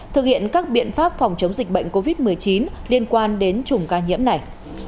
thực hiện các biện pháp phòng chống dịch bệnh covid một mươi chín liên quan đến chùm ca nhiễm này